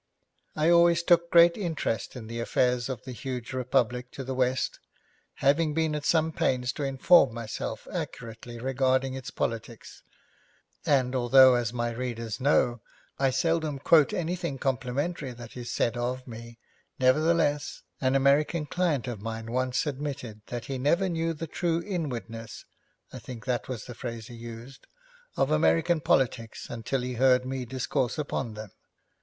I always took great interest in the affairs of the huge republic to the west, having been at some pains to inform myself accurately regarding its politics, and although, as my readers know, I seldom quote anything complimentary that is said of me, nevertheless, an American client of mine once admitted that he never knew the true inwardness I think that was the phrase he used of American politics until he heard me discourse upon them.